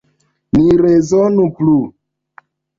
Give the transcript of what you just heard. Ni rezonu plu.